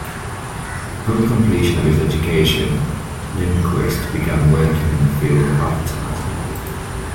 Upon completion of his education, Lindquist began working in the field of advertising.